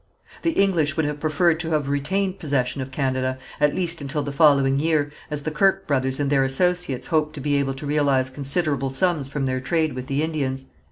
The English would have preferred to have retained possession of Canada, at least until the following year, as the Kirke brothers and their associates hoped to be able to realize considerable sums from their trade with the Indians.